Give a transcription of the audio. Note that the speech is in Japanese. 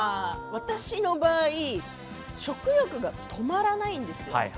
私の場合食欲が止まらないんです。